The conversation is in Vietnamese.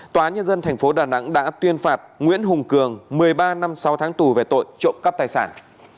tòa nhân dân thành phố đà nẵng đã tuyên phạt nguyễn hùng cường một mươi ba năm sau tháng tù về tội trộm cắp tài sản